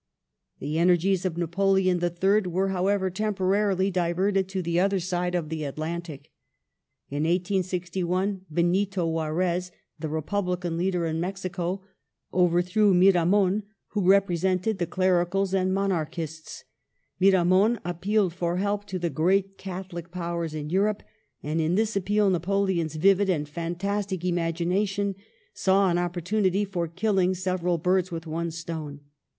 The energies of Napoleon III. were, however, temporarily Napoleon diverted to the other side of the Atlantic. In 1861 Benito J" ?"'^ Juarez, the Republican Leader in Mexico, overthrew Miramon who represented the Clericals and Monarchists. Miramon appealed for help to the great Catholic Powers in Europe, and in this appeal Napoleon's vivid and fantastic imagination saw an opportunity for killing several birds with one stone.